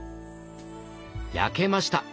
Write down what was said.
焼けました！